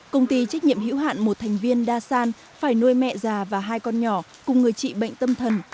công ty trách nhiệm hữu hạn một thành viên đa san phải nuôi mẹ già và hai con nhỏ cùng người trị bệnh tâm thần